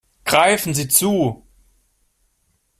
Greifen Sie zu!